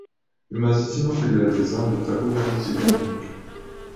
Bimaze iki no kugerageza, ndataka ubwanjye ikiganiro